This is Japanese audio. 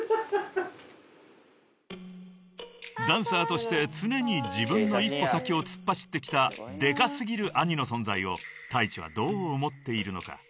［ダンサーとして常に自分の一歩先を突っ走ってきたでか過ぎる兄の存在をＴａｉｃｈｉはどう思っているのか］